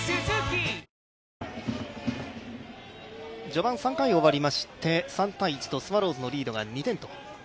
序盤３回を終わりまして３−１とスワローズのリードが２点。